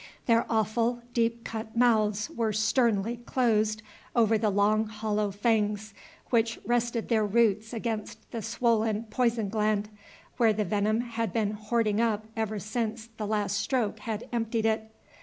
Their awful, deep cut mouths were sternly closed over the long hollow fangs which rested their roots against the swollen poison gland, where the venom had been hoarding up ever since the last stroke had emptied it.